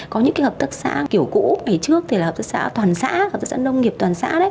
có những cái hợp tác xã kiểu cũ ngày trước thì là hợp tác xã toàn xã hợp tác xã nông nghiệp toàn xã đấy